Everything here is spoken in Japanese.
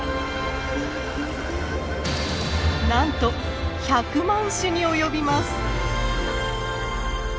なんと１００万種に及びます。